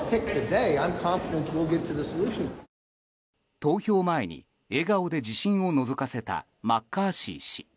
投票前に笑顔で自信をのぞかせたマッカーシー氏。